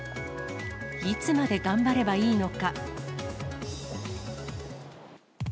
いつまで頑張ればいいのか。